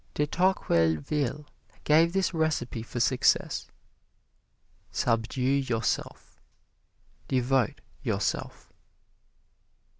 De Tocqueville gave this recipe for success: Subdue yourself Devote yourself.